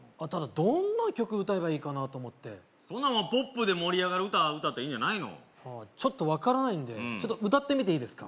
どんな曲歌えばいいかなと思ってそんなもんポップで盛り上がる歌歌ったらいいんじゃないのちょっと分からないんでちょっと歌ってみていいですか？